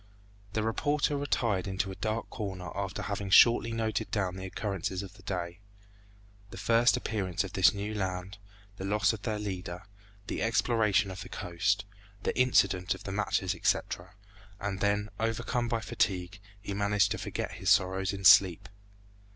The reporter retired into a dark corner after having shortly noted down the occurrences of the day; the first appearance of this new land, the loss of their leader, the exploration of the coast, the incident of the matches, etc.; and then overcome by fatigue, he managed to forget his sorrows in sleep.